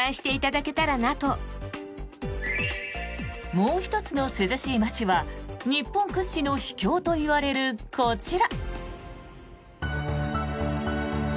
もう１つの涼しい街は日本屈指の秘境といわれるこちら。